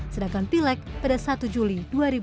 sedangkan pilek pada satu juli dua ribu sembilan belas